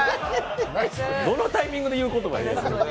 どのタイミングで言う言葉や。